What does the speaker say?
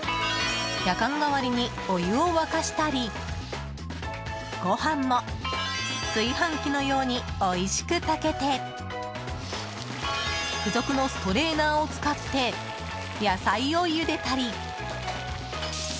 やかん代わりにお湯を沸かしたりご飯も炊飯器のようにおいしく炊けて付属のストレーナーを使って野菜をゆでたり。